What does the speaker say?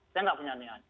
saya tidak punya niat